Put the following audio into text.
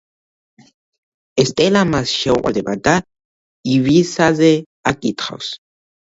ესტელა მას შეუყვარდება და ივისაზე აკითხავს.